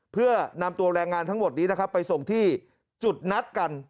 เพื่อนำตัวแรงงานทั้งหมดนี้นะครับไปส่งที่จุดนัดกัน